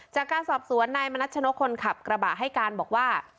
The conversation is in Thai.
จากการสอบสวนนายมณัชนกคนขับกระบะให้การบอกว่า